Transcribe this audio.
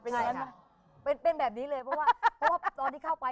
เป็นแบบนี้เลยเพราะว่าตอนที่เข้าไป